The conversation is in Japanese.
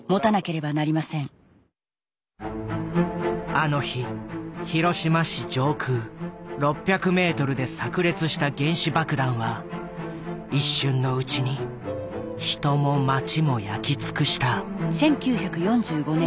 あの日広島市上空６００メートルでさく裂した原子爆弾は一瞬のうちに人も街も焼き尽くした。